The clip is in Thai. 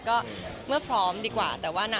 ก็เมื่อพร้อมดีกว่าแต่ว่านะ